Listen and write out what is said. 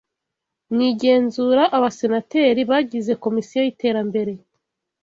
Mu igenzura Abasenateri bagize Komisiyo y’iterambere